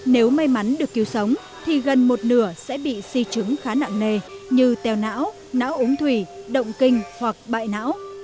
nếu may mắn được cứu sống thì gần một nửa sẽ bị si trứng khá nặng nề như teo não não ống thủy động kinh hoặc bại não